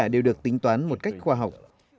tất cả đều được tính toán một cách khoa học